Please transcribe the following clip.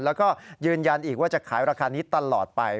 แล้วก็ยืนยันอีกว่าจะขายราคานี้ตลอดไป